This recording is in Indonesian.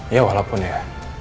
ya walaupun ya